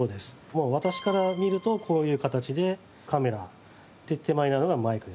もう私から見るとこういう形でカメラ手前にあるのがマイクですね。